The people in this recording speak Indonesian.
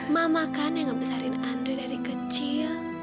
mama kan yang ngebesarin andri dari kecil